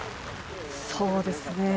そうですね。